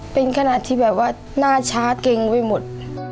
เป็นขนาดที่แบบว่าหน้าช้าเก่งไปหมด